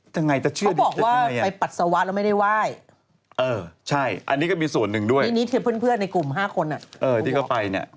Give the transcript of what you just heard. จะไงจะเชื่อดีจะไงจะไงอะ